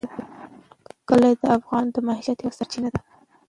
کلي د افغانانو د معیشت یوه سرچینه ده.